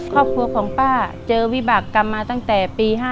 ครอบครัวของป้าเจอวิบากรรมมาตั้งแต่ปี๕๗